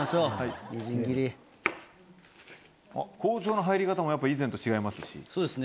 包丁の入り方も、以前と違いそうですね。